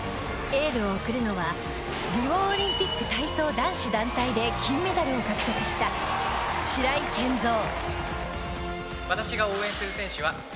エールを送るのはリオオリンピック体操男子団体で金メダルを獲得した白井健三。